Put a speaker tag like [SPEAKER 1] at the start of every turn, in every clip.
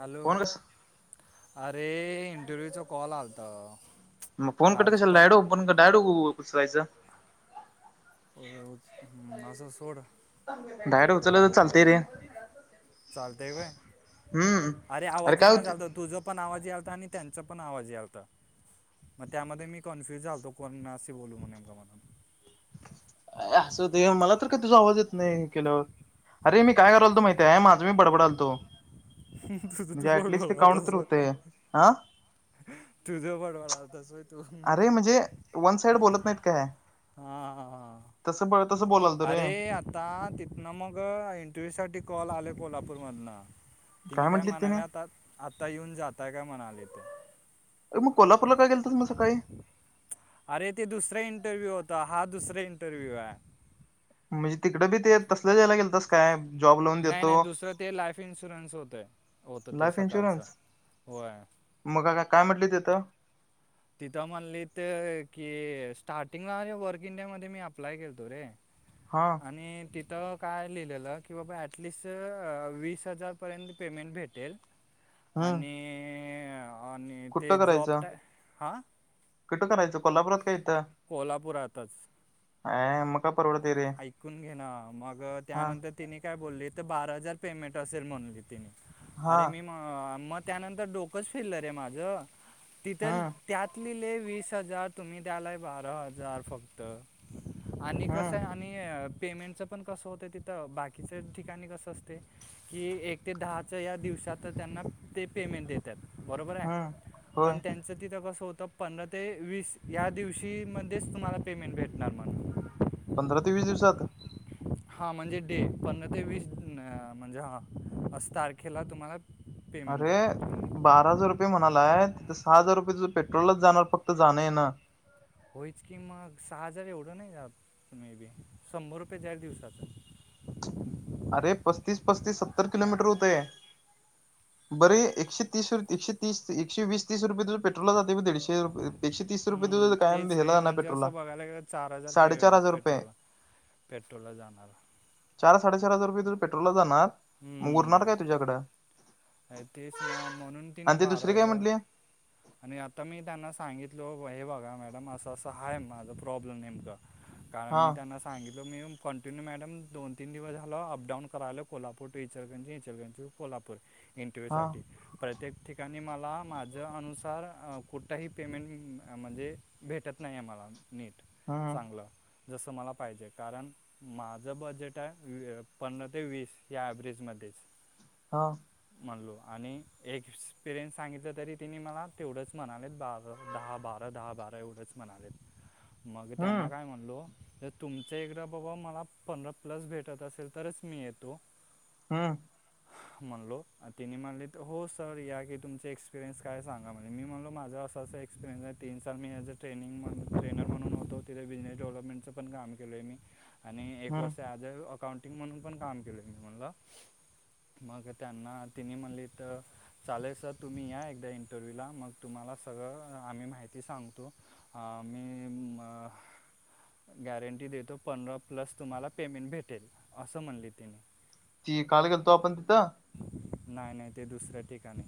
[SPEAKER 1] Hello
[SPEAKER 2] phone कस
[SPEAKER 1] अरे इंटरव्हूचा कॉल आलता
[SPEAKER 2] मग फोन कट
[SPEAKER 1] आज
[SPEAKER 2] कशाला
[SPEAKER 1] पर
[SPEAKER 2] डायडो पण का डाडू कसवायचं
[SPEAKER 1] असस सट
[SPEAKER 2] डायर उचल तर चालतय रे
[SPEAKER 1] चालतय काय
[SPEAKER 2] हम्म
[SPEAKER 1] अरे आवाज ये
[SPEAKER 2] काय
[SPEAKER 1] ना
[SPEAKER 2] होते
[SPEAKER 1] चालतो तुझ पण आवाज आलता आणि त्यांचा पण आवाजी आलता मग त्यामध्ये मी कन्फ्युज झालतो कोण असे बोलू मग नेमका मणून
[SPEAKER 2] असं ते मला तर काही तुझा आवाज येत नाही केल्यावर अर मी काय करालो माहितीय आहे माझा मी बडबडालतो
[SPEAKER 1] तुझ
[SPEAKER 2] म्हणजे
[SPEAKER 1] तू बड
[SPEAKER 2] ऍटलिस्ट ते
[SPEAKER 1] भलता
[SPEAKER 2] काउंट तर
[SPEAKER 1] अस म
[SPEAKER 2] होतय हा
[SPEAKER 1] तुझ्या पडवा ला तस
[SPEAKER 2] अरे म्हणजे वन साईड बोलत नाहीत काय
[SPEAKER 1] हा हा
[SPEAKER 2] तसं तसं बोलालतो
[SPEAKER 1] हा
[SPEAKER 2] रे
[SPEAKER 1] अरे आ आता तिथनं मग इंटरव्यूसाठी कॉल आले कोल्हापूरमधला तिने काय म्हणायला आता आत्ता येऊन जातय काय म्हणाले ते
[SPEAKER 2] अ मग कोल्हाूरला का गेल तुमझ सकाळी
[SPEAKER 1] अरे ते दुसरं इंटरव्ह्यू होता हा दुसरा इंटरव्ह्यू आहे
[SPEAKER 2] म्हणजे तिकडे बी ते तस जायला गेलातस काय जॉबो
[SPEAKER 1] नाही नाही दुसरं ते लाईफ इन्शुरन्स होतय होतं ते
[SPEAKER 2] लाईफ
[SPEAKER 1] सकाळचं
[SPEAKER 2] इन्शुरन्स
[SPEAKER 1] होय
[SPEAKER 2] मग का काय म्हटलं तिथं
[SPEAKER 1] तिथं म्हणली ते की स्टार्टिंगला वर्क इन डे मध्ये मी अप्लाय केलतो रे
[SPEAKER 2] हा
[SPEAKER 1] आणि तिथं काय लिहिलेलं की बाबा ॲटलिस्ट वीस हजारपर्यंत पेमेंट भेटेल
[SPEAKER 2] ह
[SPEAKER 1] आणि आणि ते
[SPEAKER 2] कुठं
[SPEAKER 1] जॉब
[SPEAKER 2] करायचं
[SPEAKER 1] टाय हां
[SPEAKER 2] कुठं करायचं कोल्हापुरात काय इथं
[SPEAKER 1] कोल्हापूरातच
[SPEAKER 2] अ...... मग काय परवडतते रे
[SPEAKER 1] ऐकून घेणं मग
[SPEAKER 2] हा
[SPEAKER 1] त्यानंतर तिनी काय बोलली तर बारा हजार पेमेंट असेल म्हणली तिने
[SPEAKER 2] हा
[SPEAKER 1] अरे मी म मग त्यानंतर डोकंच फिरलं रे माझ तिथ
[SPEAKER 2] हम्म
[SPEAKER 1] त्यात लिहिले वीस हजार तुम्ही त्यालाय बारा हजार फक्त आणि कसं
[SPEAKER 2] हम्म
[SPEAKER 1] आहे आणि पेमेंटचं पण कसं होतं तिथं बाकीच ठिकाणी कसं असतय? कि एक ते दहाच्या या दिवसात त्यांना ते पेमेंट देत बरोबर आहे
[SPEAKER 2] हम्म
[SPEAKER 1] पण
[SPEAKER 2] होय
[SPEAKER 1] त्यांचं तिथं कसं होतं पंधरा ते वीस या दिवशीमध्येच तुम्हाला पेमेंट भेटणार म्हणून
[SPEAKER 2] पंधरा ते वीस दिवसात
[SPEAKER 1] हा म्हणजे डे पंधरा ते वीस म्हणजे हा अस तारखेला तुम्हाला पेमेंट
[SPEAKER 2] अरे
[SPEAKER 1] भेटणार
[SPEAKER 2] बारा हजार रुपये म्हणालाय तिथं सहा हजार रुपये तुझ पेट्रोललाच जाणार फक्त जाणं येन
[SPEAKER 1] होईच किं मग सहा हजार एवढं नाही मे बी शंभर रुपये दर दिवसाच
[SPEAKER 2] अरे पस्तीस पस्तीस सत्तर किलोमीटर हुतय [unintelligible] एकशे तीस रुपये
[SPEAKER 1] हम्म,
[SPEAKER 2] द कायम
[SPEAKER 1] तेच रे
[SPEAKER 2] भला ना
[SPEAKER 1] म्हणजे
[SPEAKER 2] पेट्रोलला
[SPEAKER 1] असं बघायला गेलं चार
[SPEAKER 2] साडेचार हजार रुपये ह
[SPEAKER 1] पेट्रोल ला जाणार.
[SPEAKER 2] साडेचार हजार रुपये तर पेट्रोल ला जाणार मग
[SPEAKER 1] हम्म,
[SPEAKER 2] उरणार काय तुझ्याकडं?
[SPEAKER 1] तेच ना म्हणून तिने
[SPEAKER 2] आणि ते
[SPEAKER 1] बारा
[SPEAKER 2] दुसरी काय
[SPEAKER 1] हजार
[SPEAKER 2] म्हटली
[SPEAKER 1] आणि आता मी त्यांना सांगितलो. हे बघा मॅडम असं असं हाय. माझा प्रॉब्लेम नेमकं कारण
[SPEAKER 2] हा
[SPEAKER 1] मी त्यांना सांगितलं. मी कंटिन्यू मॅडम दोन तीन दिवस झाल. अपडाऊन करायलोय कोल्हापूर टू इचलकरंजी इचलकरंजी टू कोल्हापूर
[SPEAKER 2] हा
[SPEAKER 1] इंटरव्यूसाठी प्रत्येक ठिकाणी मला माझं अनुस तर कुठही पेमेंट म्हणजे भेटत नाही मला नीट.
[SPEAKER 2] हम्म
[SPEAKER 1] चांगलं जसं मला पाहिजे. कारण माझं बजेट आहे पंधरा ते वीस या एवरेज मध्ये
[SPEAKER 2] हा.
[SPEAKER 1] म्हणलो आणि एक एक्सपिरियन्स सांगितलं तरी तिने मला तेवढंच म्हणालेत. बारा, दहा बारा, दहा बारा एवढंच म्हणालेत. मग
[SPEAKER 2] हम्म
[SPEAKER 1] त्यांना काय म्हणलो, तर तुमचा एकदा बाबा मला पंधरा प्लस भेटत असेल तरच मी येतो.
[SPEAKER 2] हम्म.
[SPEAKER 1] म्हणलो आणि तेनी म्हणलीत. हो, सर या की तुमचे एक्सपिरियन्स काय सांगं? मी म्हनलो माझ असं अस एक्स्पिरियन्स आहे. तीन साल मी हेज अ ट्रेनि ट्रेनर म्हणून होतो. तिथ बिझनेस डेव्हलपमेंट हेच पण काम केलंय मी, आणि एक
[SPEAKER 2] हम्म
[SPEAKER 1] वर्ष आदर अकाउंटिंग म्हणून पण काम केलंय. मी म्हणल मग त्यांना तिने म्हणलीत चालेल सर. तुम्ही, या एकदा इंट रव्ह्यूला मग तुम्हाला सगळं आम्ही माहिती सांगतो. मी मग गॅरंटी देतो. पंधरा प्लस तुम्हाला पेमेंट भेटेल. असं म्हणलीत तेनी
[SPEAKER 2] ती काल गेलतो आपण तिथं?
[SPEAKER 1] नाही नाही ते दुसऱ्या ठिकाणी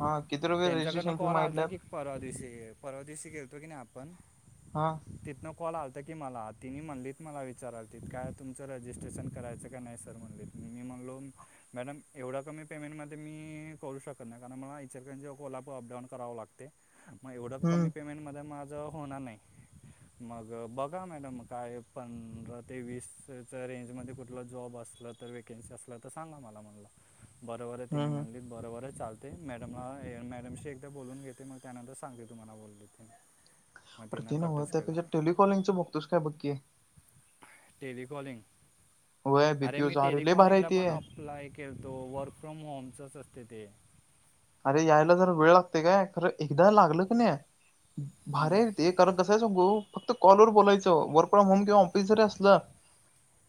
[SPEAKER 2] हा किती रुपये
[SPEAKER 1] त्यांच्याकडनं
[SPEAKER 2] रजिस्ट्रेशन फी
[SPEAKER 1] कॉल आलता
[SPEAKER 2] मागितल्यात
[SPEAKER 1] की. परवा दिवशी परवा दिवशी गेलतो की नाही आपण
[SPEAKER 2] हा.
[SPEAKER 1] तिथनं कॉल आलतं की मला, तेनी म्हणलीत मला विचारालतीत काय तुमचं रजिस्ट्रेशन करायचं का नाही? सर म्हणलीत मी म्हणलो, मॅडम एवढा कमी पेमेंटमध्ये मी करू शकत नाही कारण मला इचलकरंजी च्या कोल्हापुर अपडाऊन करावं लागते. मग एवढं
[SPEAKER 2] हम्म
[SPEAKER 1] कमी पेमेंटमध्ये माझं होणार नाही. मग बघा. मॅडम काय पंधरा ते वीस रेंजमध्ये कुठला जॉब असल वेकेन्सी असल्या तर सांगा. मला म्हणला बरोबरच
[SPEAKER 2] हम्म
[SPEAKER 1] तिने
[SPEAKER 2] हम्म.
[SPEAKER 1] म्हणली बरोबरच चालते. मॅडमला हे मॅडमशी एकदा बोलून घेते. मग त्यानंतर सांगते तुम्हाला, बोलली. मग
[SPEAKER 2] अरे
[SPEAKER 1] तिनं
[SPEAKER 2] ते नव्ह
[SPEAKER 1] कटच केला
[SPEAKER 2] त्यापेक्षा टेलिकॉलिंग च बघतोस काय बघ की
[SPEAKER 1] टेलिकॉलिंग.
[SPEAKER 2] व्हय
[SPEAKER 1] अरे मी
[SPEAKER 2] बीपीओच लय भारी हाय
[SPEAKER 1] टेलिकॉलिंगला
[SPEAKER 2] ते
[SPEAKER 1] पण अपलाय केलतो. वर्क फ्रॉम होमचच असते ते,
[SPEAKER 2] अरे यायला जरा वेळ लागते काय. खरं एकदा लागलं की नाही. भारी
[SPEAKER 1] हम्म,
[SPEAKER 2] आहे रे ते. त्याला कसं हाय सांगू. फक्त कॉल वर बोलायचं वर्क फ्रॉम होम किंवा ऑफिस जरी असलं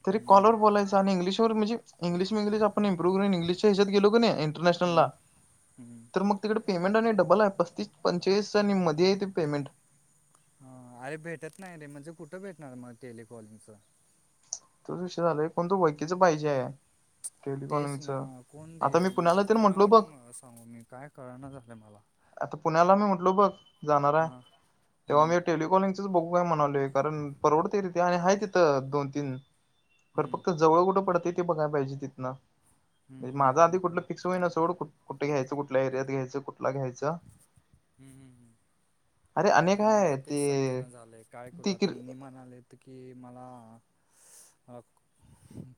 [SPEAKER 2] तरी
[SPEAKER 1] हम्म,
[SPEAKER 2] कॉलवर बोलायच आणि इंग्लिश वर म्हणजे, इंग्लिश इंग्लिश आपण इम्प्रुव करून इंग्लिशच्या हेच्यात गेलो की नाही इंटनॅशनल ला
[SPEAKER 1] हम् हम [unintelligible]
[SPEAKER 2] तर मग तिकडे पेमेंट आणि डबल आहे. पस्तीस- पंचेचाळीस आणि मध्ये आहेत ते पेमेंट.
[SPEAKER 1] हा अरे भेटत नाही रे. म्हणजे कुठं भेटणार मग टेलिकॉलिंग चं?
[SPEAKER 2] तोच विषय झालंय. कोणतर वळकीच पाहिजे हाय.
[SPEAKER 1] तेच ना कोण
[SPEAKER 2] आता मी
[SPEAKER 1] देइल.
[SPEAKER 2] पुण्याला तर म्हटलो बघ
[SPEAKER 1] कोणाकडनं म सांगू मी काय कळणा झालंय मला.
[SPEAKER 2] आता पुण्याला मी म्हटलो बघ जाणार आहे.
[SPEAKER 1] हां
[SPEAKER 2] तेव्हा
[SPEAKER 1] हम्म,
[SPEAKER 2] मी टेलिकॉलिंग तेच बघू काय म्हणालोय. कारण परवडते तिथे, आणि आहे तिथं दोन तीन खर
[SPEAKER 1] हम्म,
[SPEAKER 2] फक्त जवळ कुठं पडतय ते बघाय पाहिजे तिथन.
[SPEAKER 1] हम्म,
[SPEAKER 2] म्हणजे
[SPEAKER 1] हम्म,
[SPEAKER 2] माझं आधी
[SPEAKER 1] हम्म, हम्म, हम्म,
[SPEAKER 2] कुठलं फिक्स होईना सोड. कुठ घ्यायच? कुठल्या एरियात घ्यायच? कुठला घ्यायंच?
[SPEAKER 1] हम्म हम्म हम्म.
[SPEAKER 2] अनेक
[SPEAKER 1] अरे मला
[SPEAKER 2] आहे
[SPEAKER 1] तेच
[SPEAKER 2] ते
[SPEAKER 1] समजाण झालंय, काय करू
[SPEAKER 2] ती
[SPEAKER 1] आता
[SPEAKER 2] किर
[SPEAKER 1] इणी म्हणाले होत की मला.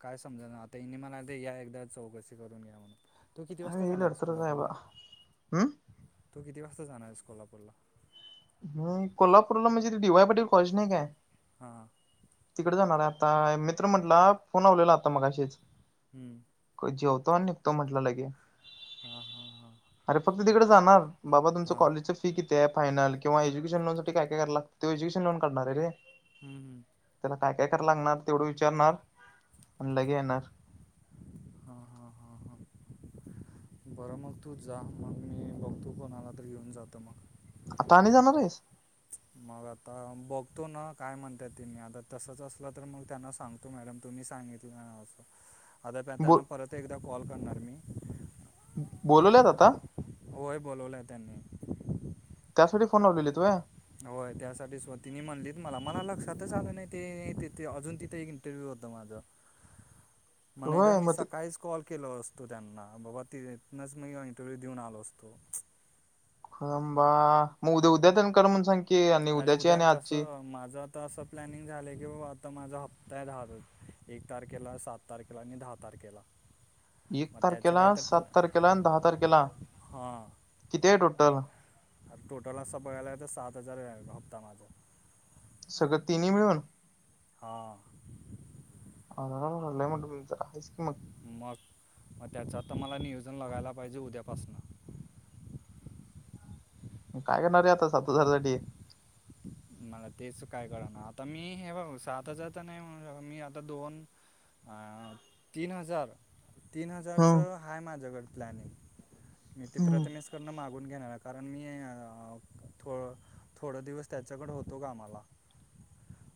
[SPEAKER 1] काय समजा ना आता हनी मला या एकदा चौकशी करून घ्या म्हणून. तू किती
[SPEAKER 2] अरे
[SPEAKER 1] वाजता
[SPEAKER 2] लई
[SPEAKER 1] जाणार आहेस
[SPEAKER 2] लडतरच आहे बा
[SPEAKER 1] कोल्हापूरला? तू किती वाजता जाणार आहेस कोल्हापूरला?
[SPEAKER 2] ह कोल्हापूरला म्हणजे डी वाय पाटील कॉलेज नाही काय.
[SPEAKER 1] हा.
[SPEAKER 2] तिकडे जाणार आहे. आता मित्र म्हंटला फोन आवलेला आता मगाशीच.
[SPEAKER 1] हम्म!
[SPEAKER 2] जेवतो आणि निघतो म्हटलं लगे.
[SPEAKER 1] हा हा हा.
[SPEAKER 2] अरे फक्त तिकडे जाणार, बाबा तुमचं कॉलेजच फी किती आहे फायनल? किंवा एज्युकेशन लोन साठी काय काय कराल लागते एज्युकेशन लोन करणार रे!
[SPEAKER 1] हम्म हम!
[SPEAKER 2] त्याला काय काय करायला लागणार तेवढं विचारणार आणि लगे येणार.
[SPEAKER 1] हां हां हां हां
[SPEAKER 2] [inaudible]
[SPEAKER 1] बरं मग तू जा, मग मी बघतो कोणाला तर घेऊन जातो मग‌.
[SPEAKER 2] आता आणि जाणार आहेस?
[SPEAKER 1] मग आता बघतो ना काय म्हणता ती नी आता तसच असलं तर मग त्यांना सांग तो मॅडम तुम्ही सांगितलं असं.
[SPEAKER 2] [inaudible] ब
[SPEAKER 1] आतापताना परत एकदा काॅल करणार मी.
[SPEAKER 2] बोलवल्यात आता.
[SPEAKER 1] होय बलावला त्यांनी.
[SPEAKER 2] त्यासाठी फोन लावलेलीत होय.
[SPEAKER 1] होय त्यासाठी स्वतिनी म्हणलीत मला मला लक्षातच आलं नाही, ते तिथ अजून तिथे एक इंटरव्यू होतं माझ.
[SPEAKER 2] [inaudible]
[SPEAKER 1] म्हणद मी
[SPEAKER 2] मग
[SPEAKER 1] सकाळीच कॉल केलो असतो त्यांना, बाबा तिथनच मी इंटरव्ह्यू देऊन आलो असतो.
[SPEAKER 2] हा मग उद्या उद्याच कर म्हण सांग की आणि उद्याची आणि आजची
[SPEAKER 1] माझात आता असं प्लॅनिंग झालं आहे, की बाबा आता माझा हप्ता आहे दहा एक तारखेला, सात तारखेला आणि दहा तारखेला.
[SPEAKER 2] एक
[SPEAKER 1] मग त्याचं
[SPEAKER 2] तारखेला,
[SPEAKER 1] काय तर प्ल
[SPEAKER 2] सात तारखेला, दहा तारखेला,
[SPEAKER 1] हां
[SPEAKER 2] आहे कती टोटल.
[SPEAKER 1] टोटल असा बघयला तर सात हजार हप्ता माझा.
[SPEAKER 2] सगळं तिनही मिळून.
[SPEAKER 1] हां.
[SPEAKER 2] म्हण कि मत [unintelligible]
[SPEAKER 1] मग, मग त्याचं आता मला नियोजन लगायला पाहिजे उद्यापासनं.
[SPEAKER 2] काय करणार आहे आता सात हजारसाठी.
[SPEAKER 1] मला तेच काय कळना, आता मी हे बघ सात हजार तर नाही म्हण मी आता दोन तीन हजार, तीन हजारच
[SPEAKER 2] हं
[SPEAKER 1] हा माझ्याकडे प्लॅन मी ते
[SPEAKER 2] हम्म
[SPEAKER 1] प्रथमे मेष कडन मागून घेणार आहे. कारण मी अ थो -थोडा दिवस त्याच चगडं होतो कामाला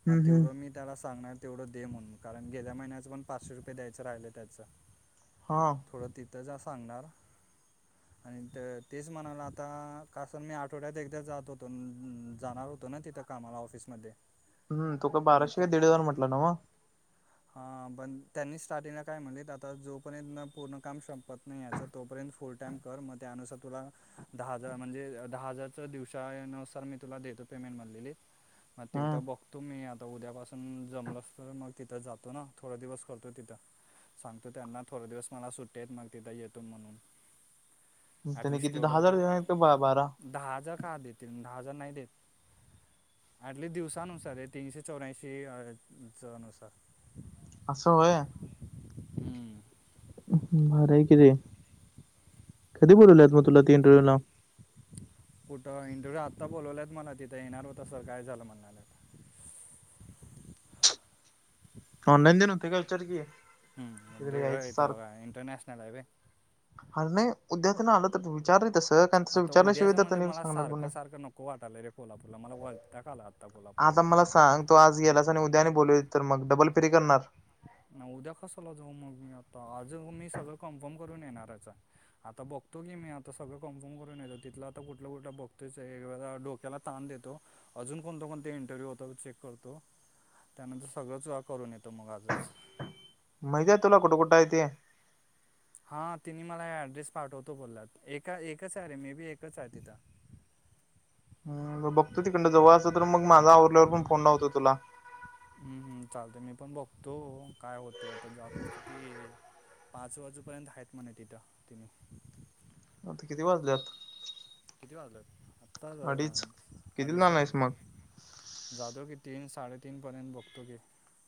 [SPEAKER 1] मग
[SPEAKER 2] हम्म.
[SPEAKER 1] तेवढं मी. त्याला सांगणार तेवढं दे म्हणून, कारण गेल्या महिन्यां पण पाचशे रुपये द्यायचं राहिल त्यांच.
[SPEAKER 2] हा.
[SPEAKER 1] थोडं तिथं जा सांगणार.
[SPEAKER 2] ह [inaudible]
[SPEAKER 1] आणि तेच म्हणाला आता, का स मी आठवड्यात एकदा जात होतो, जाणार होतो. हो ना तिथं कामाला ऑफिसमध्ये.
[SPEAKER 2] हम तो का
[SPEAKER 1] मग
[SPEAKER 2] बाराशे का दीड हजार म्हटला नव.
[SPEAKER 1] हा पण, त्यांनी स्टार्टिंगला काय म्हणलेत, जोपर्यंत पूर्ण काम संपत नाही याचं. तोपर्यंत फुल टाइम कर, मग त्यानुसार तुला दहा हजार म्हणजे दहा हजारच्या दिवसा यानुसार मी तुला देतो. पेमेंट मला दिली, मग तिथं आता बघ
[SPEAKER 2] हम्म
[SPEAKER 1] तुम्ही आता उद्यापासून जमलस तर मग तिथं जातो ना, थोडा दिवस करतो तिथं. सांगतो त्यांना थोडे दिवस मला सुट्ट्या हाएत, मग तिथं येतो म्हणून
[SPEAKER 2] त्यांनी
[SPEAKER 1] ॲटलिस्ट
[SPEAKER 2] किती दहा
[SPEAKER 1] तेवढं
[SPEAKER 2] हजार
[SPEAKER 1] तर
[SPEAKER 2] दिला आहे का बारा?
[SPEAKER 1] दहा हजार का देतील? दहा हजार नाही देत. हार्डली दिवसानुसार हे तीनशे चौर्यांशी दिवसा नुसार-
[SPEAKER 2] आस व्हय.
[SPEAKER 1] हम्म.
[SPEAKER 2] भारी हाय कि रे, कधी बोलवलेत मग तुला ते इंटरव्ह्यूला
[SPEAKER 1] कुठं इंटरव्हू? आत्ता बोलवल्यात मला, तिथं येणार होतास सर काय झालं म्हणणाल्यात
[SPEAKER 2] काय ऑनलाईन ते न होतय काय विचार की?
[SPEAKER 1] ह
[SPEAKER 2] तिकडे
[SPEAKER 1] ढेकळ
[SPEAKER 2] यायचं
[SPEAKER 1] हाय तवा
[SPEAKER 2] सारखं
[SPEAKER 1] काय इंटरनॅशनल हाय व्हय.
[SPEAKER 2] आर नाही उद्या तेन आलं तर, विचार रे तसं. कारण तसं
[SPEAKER 1] आता उद्याच
[SPEAKER 2] विचारल्याशिवाय तर
[SPEAKER 1] म्हणजे,
[SPEAKER 2] त्यांनी
[SPEAKER 1] मला
[SPEAKER 2] सांगणार पण
[SPEAKER 1] सारखं
[SPEAKER 2] नाही.
[SPEAKER 1] सारखं नको वाटलंय रे, कोल्हापूरला मला वैताग आलाय आता कोल्हापूरला
[SPEAKER 2] आता मला
[SPEAKER 1] जायला. बघा
[SPEAKER 2] सांग तू आज गेलास आणि उद्या आणि बोललवली तर, मग डबल फेरी करणार.
[SPEAKER 1] नाही उद्या कश्याला जाऊ मग, मी आता आज मी जावून सगळं कन्फर्म करूनच येणार हाय. आता बघतो की, मी आता सगळ कन्फर्म करून येतो, तिथलं आता कुठलं कुठ बगतोयच ए [unintelligible] त्याला ताण देतो. अजून कोणत कोणत इंटरव्ह्यू होतो? चेक करतो. त्यानंतर सगळंच करून येतो मग आजच
[SPEAKER 2] माहिती हाय तुला कुठ कुठ हाय ते?
[SPEAKER 1] हा तिने मला ऍड्रेस पाठवतो बोलल्यात, एका एकच आहे रे, मे बी एकच हाय तिथं.
[SPEAKER 2] बघतो, तिकडन जवळ असल तर, मग माझ आवरल्यावर, पण फोन करतो तुला.
[SPEAKER 1] हू हू चालतय मी पण बघतो, अ काय होतय आता जातो किती? पाच वाजूपर्यंत आहेत म्हणे, तिथं तिनी
[SPEAKER 2] आता किती वाजल्यात?
[SPEAKER 1] किती वाजलेत? आत्ता
[SPEAKER 2] अडीच कितीला
[SPEAKER 1] अडीच
[SPEAKER 2] जाणार आहेस मग
[SPEAKER 1] वाजल्यात जातो की, तीन साडेतीन पर्यंत बगतो घे.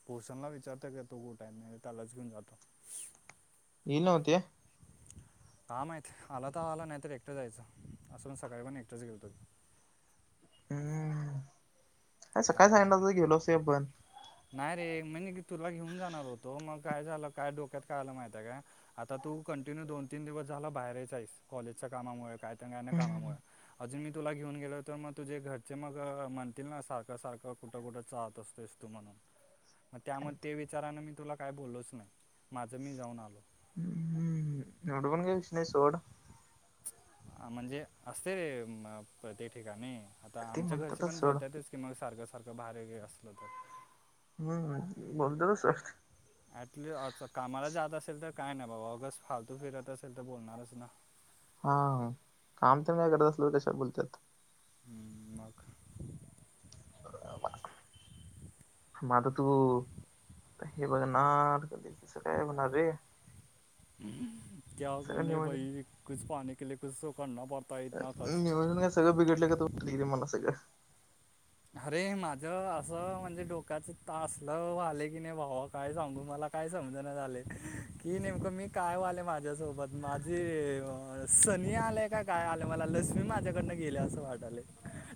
[SPEAKER 1] भूषणला विचारताय का तो कुठ हाय? नाही तर त्यालाच घेऊन जातो.
[SPEAKER 2] यील नव्ह ते.
[SPEAKER 1] काय माहित आला तर आला नाहीतर, एकटं जायचं. अस पणं सकाळी पण एकटंच गेेलतो.
[SPEAKER 2] हम् आज सकाळी सांगितल
[SPEAKER 1] काय
[SPEAKER 2] असतस, गेलो असतो आपण
[SPEAKER 1] नाही रे, म्हण की तुला घेऊन जाणार होतो, मग काय झालं, काय डोक्यात काय आलं माहिती हाय काय? आता तू कंटिन्यू दोन तीन दिवस झाला बाहेरच हाईस, कॉलेजच्या कामामुळ काय त्या अन्
[SPEAKER 2] हम्म
[SPEAKER 1] कामामुळ अजून मी तुला घेऊन गेल तर, मग तुझे घरचे मग म्हणतील ना, सारखं सारखं कुठं कुठं जाहत असतोस तू म्हणून? म त्याम त्या विचारानं मी तुला काय बोललोच नाही. माझं मी जाऊन आलो.
[SPEAKER 2] हम्म एवढं पणं काय विषय नाही सोड.
[SPEAKER 1] आ म्हणजे असतय रे, प अ प्रत्येक ठिकाणी आता
[SPEAKER 2] ते
[SPEAKER 1] आमच्या घरचे
[SPEAKER 2] म्हणतातच
[SPEAKER 1] पण
[SPEAKER 2] सोड
[SPEAKER 1] बोलत्यातच की, मग सारखं सारखं बाहेर वगेरे असलो तर
[SPEAKER 2] हम् बोलत्यात तस.
[SPEAKER 1] ऍटलिस्ट अ च कामाला जात असेल तर, काय नाही बाबा उगस फालतू फिरत असेल तर, बोलणारच ना.
[SPEAKER 2] हा काम तर काय करत असल तर, कशाला बोलत्यात.
[SPEAKER 1] हुं मग.
[SPEAKER 2] म आता तू हे बघणार का? ते कस काय होणार रे?
[SPEAKER 1] [unintelligible] क्या
[SPEAKER 2] सगळं
[SPEAKER 1] करणे,
[SPEAKER 2] नियोजन
[SPEAKER 1] भाई कुछ पाने के लिए कुछ तो करना पडता है.
[SPEAKER 2] अ
[SPEAKER 1] इतना
[SPEAKER 2] न
[SPEAKER 1] कष्ट
[SPEAKER 2] नियोजन काय सगळं, बिघडल्यागत वाटालय की मला सगळं.
[SPEAKER 1] अरे माझं असं म्हणजे, डोक्याच तासलं व्हालय की, नाही भावा काय सांगू मला काय समजना झालय की, नेमकं मी काय व्हालय माझ्यासोबत माझी अ का सनी आलेय का काय? आलं मला लक्ष्मी माझ्याकडनं गेलेय असं वाटालयं.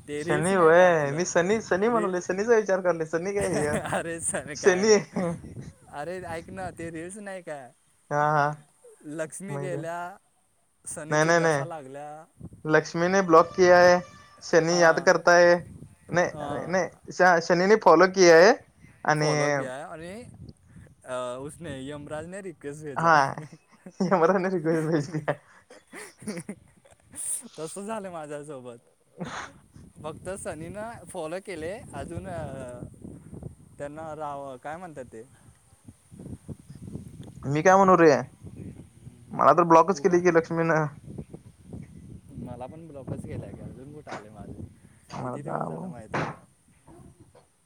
[SPEAKER 1] ते रील्स
[SPEAKER 2] शनी
[SPEAKER 1] नाही का?
[SPEAKER 2] व्हय मी सनी सनी
[SPEAKER 1] आपलं रि
[SPEAKER 2] म्हणाले सनीचा विचार करले सनी
[SPEAKER 1] [unintelligible]
[SPEAKER 2] काय हे
[SPEAKER 1] अरेर सन्या काय
[SPEAKER 2] शनी
[SPEAKER 1] रे?
[SPEAKER 2] आहे.
[SPEAKER 1] अरे ऐक ना, ते रील्स नाही काय?
[SPEAKER 2] हा हा
[SPEAKER 1] लक्ष्मी
[SPEAKER 2] माहित आहे
[SPEAKER 1] गेल्या, शनीची दशा लागल्या.
[SPEAKER 2] लक्ष्मीने ब्लॉक किया है, शनी याद
[SPEAKER 1] हां
[SPEAKER 2] करता है नाय, ना श शनीने फॉलो किया है आणि
[SPEAKER 1] फॉलो किया है आणि अ यमराज ने र कस
[SPEAKER 2] हा यमराजने रिक्वेस्ट भेजली आहे
[SPEAKER 1] [unintelligible] [unintelligible] तस झालं माझ्या सोबत. फक्त सनी न फॉलो केलयं अजून अ त्यांना राव काय म्हणतात ते?
[SPEAKER 2] मी काय म्हणू रे, मला तर ब्लॉकच
[SPEAKER 1] तू
[SPEAKER 2] केलय
[SPEAKER 1] का
[SPEAKER 2] की लक्ष्मीनं.
[SPEAKER 1] मला पण ब्लॉकच केलाय, का अजून कुठे आले माझ.
[SPEAKER 2] [unintelligible]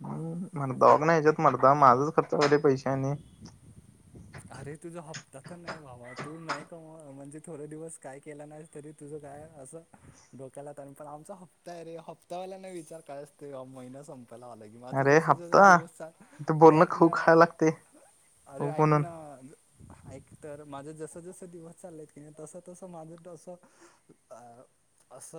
[SPEAKER 2] आणि तवा कि नाय मर्दा माझचं खर्चा साठी पैसे आणि
[SPEAKER 1] [unintelligible] अरे तुझा हप्ता तर नाही भावा, तू नाही कमव म्हणजे थोड दिवस काय केला, नाही तरी तुझं काय असं डोक्याला तरी पण आमचा हप्ता आहे रे हप्तावाल्याला विचार काय असतयं, ते महिना संपायला आला कि. कि माझं
[SPEAKER 2] अरे
[SPEAKER 1] जसं जसं
[SPEAKER 2] हप्ता
[SPEAKER 1] दिवस चाल,
[SPEAKER 2] इथे
[SPEAKER 1] अरे
[SPEAKER 2] बोलणं
[SPEAKER 1] ऐक
[SPEAKER 2] खाऊ
[SPEAKER 1] ना
[SPEAKER 2] खायला लागते
[SPEAKER 1] अरे ऐक
[SPEAKER 2] म्हणून
[SPEAKER 1] ना ऐक तर माझं जस जस दिवस चाललेत की नाही, तस तसं माझं तस आ असं